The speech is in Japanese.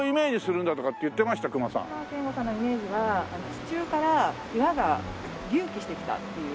隈研吾さんのイメージは地中から岩が隆起してきたっていう。